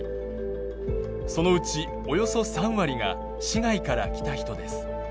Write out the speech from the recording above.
そのうちおよそ３割が市外から来た人です。